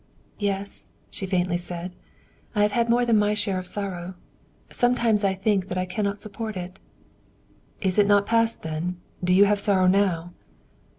"Yes," she faintly said. "I have had more than my share of sorrow. Sometimes I think that I cannot support it." "Is it not past, then? Do you have sorrow now?"